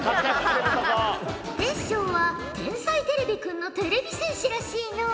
煌翔は「天才てれびくん」のてれび戦士らしいのう。